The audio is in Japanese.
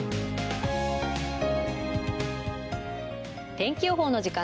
天気予報の時間です。